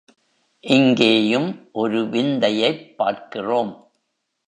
இங்கேயும் ஒரு விந்தையைப் பார்க்கிறோம்.